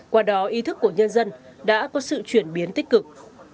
qua đó ý thức của nhân dân đã có sự chuyển biến tích cực